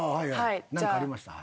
何かありました？